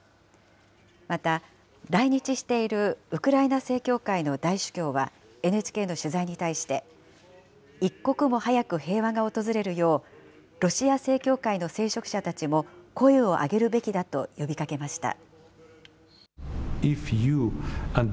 また、来日しているウクライナ正教会の大主教はＮＨＫの取材に対して、一刻も早く平和が訪れるよう、ロシア正教会の聖職者たちも声を上げるべきだと呼びかけました。